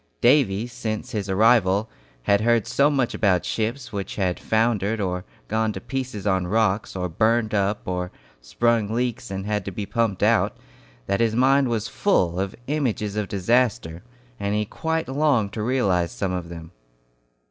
Davy, since his arrival, had heard so much about ships which had foundered, or gone to pieces on rocks, or burned up, or sprung leaks and had to be pumped out, that his mind was full of images of disaster, and he quite longed to realize some of them.